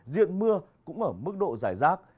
diện mưa cũng ở mức độ giải rác